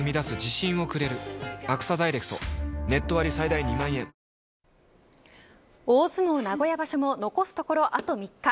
大相撲名古屋場所も残すところあと３日。